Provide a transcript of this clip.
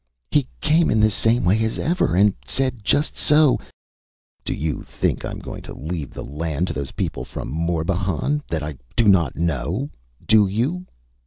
ÂHe came in the same way as ever and said, just so: ÂDo you think I am going to leave the land to those people from Morbihan that I do not know? Do you?